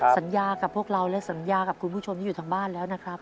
สัญญากับพวกเราและสัญญากับคุณผู้ชมที่อยู่ทางบ้านแล้วนะครับ